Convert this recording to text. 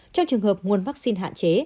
trong trường hợp nguồn vaccine hạn chế